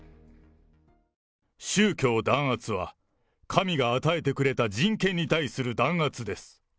宗教弾圧は神が与えてくれた人権に対する弾圧です。